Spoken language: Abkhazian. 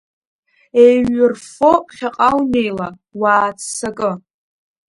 Еиҩырффо ԥхьаҟа унеила, уааццакы.